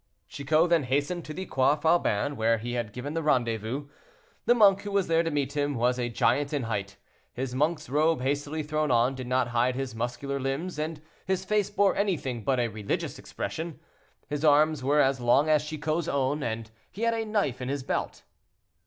Chicot then hastened to the Croix Faubin, where he had given the rendezvous. The monk, who was there to meet him, was a giant in height; his monk's robe, hastily thrown on, did not hide his muscular limbs, and his face bore anything but a religious expression. His arms were as long as Chicot's own, and he had a knife in his belt.